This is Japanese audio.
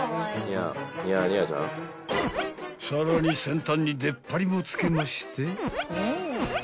［さらに先端に出っ張りも付けまして］